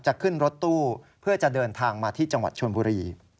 ขึ้นรถตู้เพื่อจะเดินทางมาที่จังหวัดชนบุรี